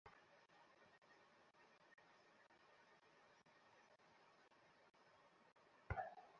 ছেলেরা নিয়োগকৃত সব মাস্টারকে তাড়িয়ে দেয়।